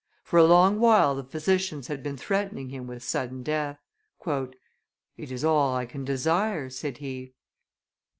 For a long while the physicians had been threatening him with sudden death. "It is all I can desire," said he.